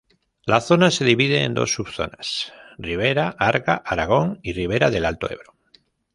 La zona se divide en dos subzonas: Ribera Arga-Aragón y Ribera del Alto Ebro.